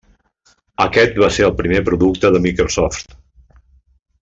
Aquest va ser el primer producte de Microsoft.